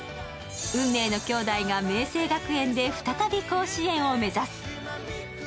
運命の兄弟が明晴学園で再び甲子園を目指す。